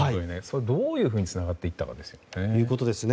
どういうふうにつながっていったかですよね。